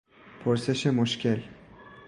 پرسش مشکل